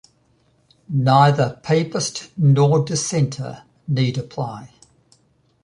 Neither Papist nor dissenter need apply.